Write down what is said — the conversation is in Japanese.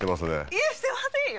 いえしてませんよ